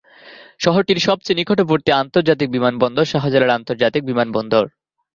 শহরটির সবচেয়ে নিকটবর্তী আন্তর্জাতিক বিমানবন্দর শাহজালাল আন্তর্জাতিক বিমানবন্দর।